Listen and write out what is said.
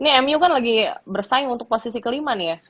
ini mu kan lagi bersaing untuk posisi kelima nih ya